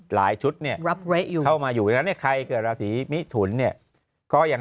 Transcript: หลายชุดเนี่ยเข้ามาอยู่แล้วใครเกิดราศีมิทุนเนี่ยก็ยัง